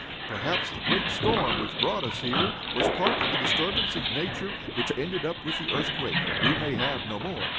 Perhaps the great storm which brought us here was part of the disturbance of nature which ended up with the earthquake. We may have no more."